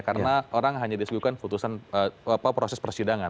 karena orang hanya disebutkan proses persidangan